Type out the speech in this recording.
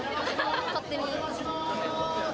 勝手に。